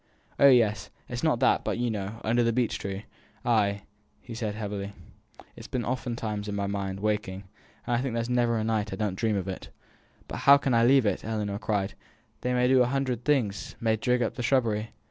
"Oh, yes, it is not that; but you know, under the beech tree " "Ay!" said he, heavily. "It's been oftentimes on my mind, waking, and I think there's ne'er a night as I don't dream of it." "But how can I leave it!" Ellinor cried. "They may do a hundred things may dig up the shrubbery.